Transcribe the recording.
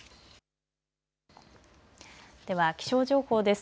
では気象情報です。